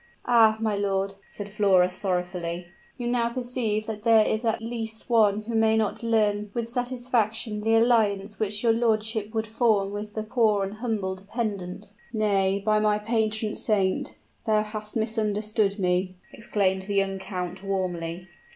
"Ah! my lord," said Flora, sorrowfully, "you now perceive that there is at least one who may not learn with satisfaction the alliance which your lordship would form with the poor and humble dependent." "Nay, by my patron saint, thou hast misunderstood me!" exclaimed the young count warmly.